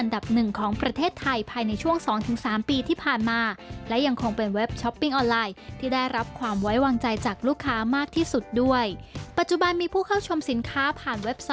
เดี๋ยวตามพร้อมกันจากรายงานครับ